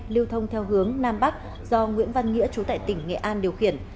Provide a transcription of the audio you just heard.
lưu thông theo hướng nam bắc do nguyễn văn nghĩa chú tại tỉnh nghệ an điều khiển